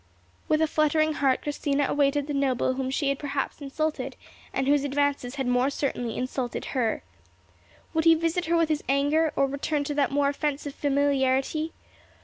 With a fluttering heart Christina awaited the noble whom she had perhaps insulted, and whose advances had more certainly insulted her. Would he visit her with his anger, or return to that more offensive familiarity?